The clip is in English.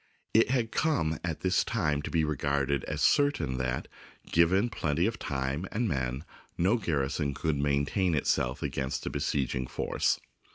It had come at this time to be regarded as cer tain that, given plenty of time and men, no gar rison could maintain itself against a besieging force.